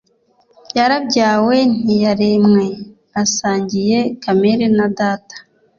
yarabyawe ntiyaremwe, asangiye kamere na data